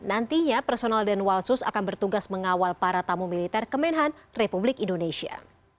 nantinya personal denwalsus akan bertugas mengawal para tamu militer kemenhan republik indonesia